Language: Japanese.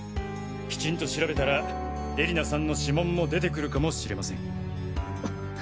きちんと調べたら絵里菜さんの指紋も出てくるかもしれません。